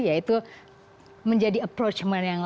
yaitu menjadi approach money